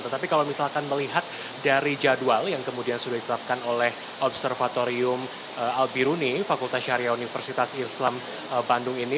tetapi kalau misalkan melihat dari jadwal yang kemudian sudah ditetapkan oleh observatorium albiruni fakultas syariah universitas islam bandung ini